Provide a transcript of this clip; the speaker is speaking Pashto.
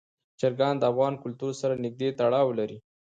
چرګان د افغان کلتور سره نږدې تړاو لري.